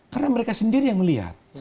karena mereka sendiri yang melihat